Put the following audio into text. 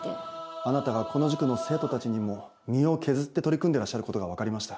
あなたがこの塾の生徒たちにも身を削って取り組んでらっしゃることが分かりました。